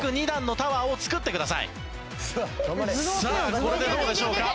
さあこれでどうでしょうか？